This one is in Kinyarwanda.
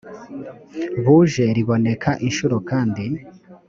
buje riboneka incuro kandi